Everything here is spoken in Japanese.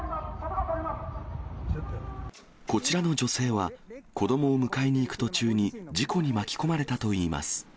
こちらの女性は、子どもを迎えに行く途中に、事故に巻き込まれたといいます。